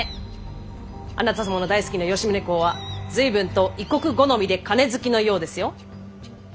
あなた様の大好きな吉宗公は随分と異国好みで金好きのようですよ！